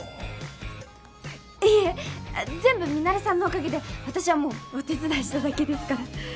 いえ全部ミナレさんのおかげで私はもうお手伝いしただけですから。